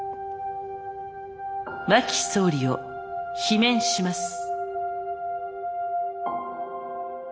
真木総理を罷免します。